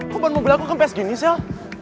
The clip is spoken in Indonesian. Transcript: kok ban mobil aku kempes gini sel